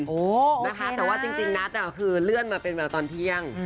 โอ้โฮโอเคน่ะนะคะจริงนัสเนี่ยคือเลื่อนมาเป็นตอนเที่ยง